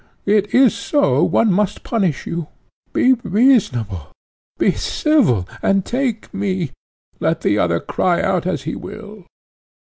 it is so one must punish you! Be reasonable, be civil, and take me, let the other cry out as he will."